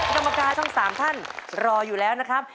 อุปกรณ์ทั้งสามท่านรออยู่แล้วนะครับ